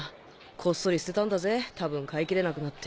こっそり捨てたんだぜ多分飼いきれなくなって。